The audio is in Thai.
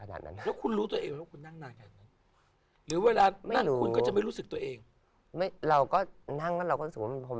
อย่างนั้นหรือ